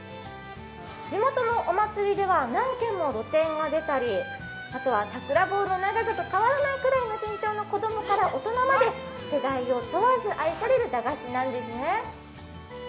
地元のお祭りでは何軒も露店が出たりさくら棒の長さと変わらないぐらいの子供から大人まで世代を問わず愛される駄菓子なんですね。